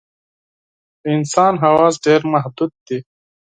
د انسان حواس ډېر محدود دي.